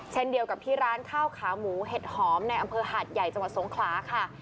เช่นเดียวกับที่ร้านข้าวขาหมูเห็ดหอมในอำเภอหาดใหญ่จังหวัดสงขลาค่ะ